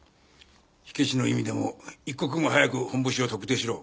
火消しの意味でも一刻も早くホンボシを特定しろ。